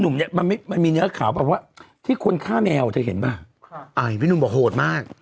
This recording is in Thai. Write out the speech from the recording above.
มันมีเหนือข่าวว่าที่คนฆ่าแมวด้วยที่นุ่มบอกโหดมาก